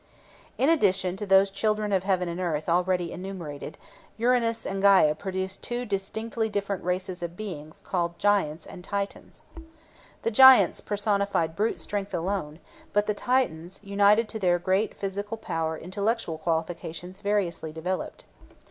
In addition to those children of heaven and earth already enumerated, Uranus and Gæa produced two distinctly different races of beings called Giants and Titans. The Giants personified brute strength alone, but the Titans united to their great physical power intellectual qualifications variously developed.